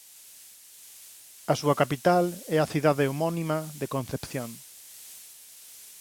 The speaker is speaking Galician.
A súa capital é a cidade homónima de Concepción.